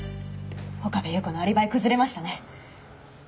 岡部祐子のアリバイ崩れましたね。